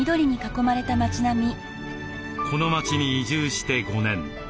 この町に移住して５年。